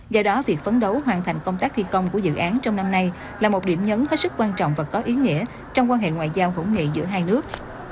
do đó việc phấn đấu hoàn thành công tác thi công của dự án trong năm nay là một điểm nhấn hết sức quan trọng và có ý nghĩa trong quan hệ ngoại giao hữu nghị giữa hai nước